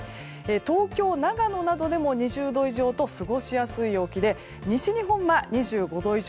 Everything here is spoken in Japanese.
東京、長野などでも２０度以上と過ごしやすい陽気で西日本は２５度以上。